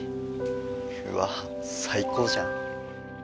「うわっ最高じゃん！」